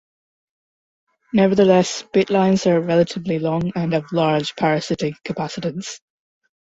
Nevertheless, bit lines are relatively long and have large parasitic capacitance.